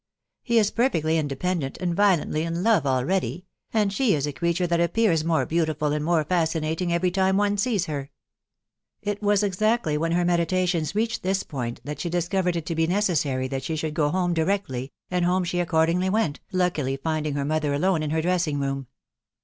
He is per* fectly independent, and violently in love already, .... and she is a creature that appears more beautiful and more fasci nating every time one sees her." THE WIDOW BARNABY. 205 It was exactly when her meditations reached this point that she discovered it to he necessary that she should go home directly, and home she accordingly went, luckily finding her mother alone in her dressing room.